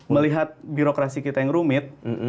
melihat birokrasi kita yang rumit